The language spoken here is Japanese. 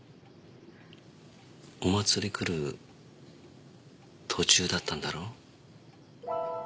お祭り来る途中だったんだろう？